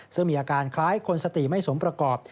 ซึ่งมีอาการคล้ายคนสติไม่สมประกอบ